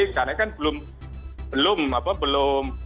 karena kan belum belum apa belum